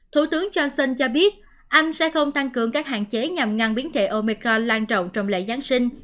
thủ tướng johnson cho biết anh sẽ không tăng cường các hạn chế nhằm ngăn biến thể omicron lan trọng trong lễ giáng sinh